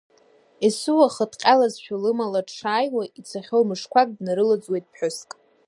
Есыуаха, дҟьалазшәа, лымала дшааиуа, ицахьоу мышқәак днарылаӡуеит ԥҳәыск.